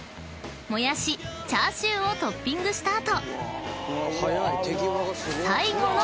［もやしチャーシューをトッピングした後］